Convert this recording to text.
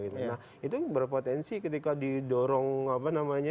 nah itu berpotensi ketika didorong apa namanya